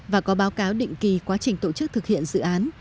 và có báo cáo định kỳ quá trình tổ chức thực hiện dự án